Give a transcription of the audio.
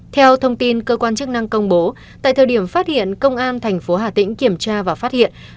theo thông tin cơ quan chức năng công bố tại thời điểm phát hiện công an thành phố hà tĩnh kiểm tra và phát hiện